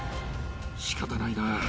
しかたないなあ。